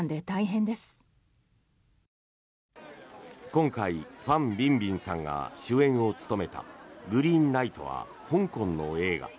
今回、ファン・ビンビンさんが主演を務めた「グリーンナイト」は香港の映画。